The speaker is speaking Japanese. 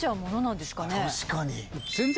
確かに。